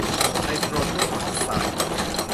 ไนโตรเจนออกไซด์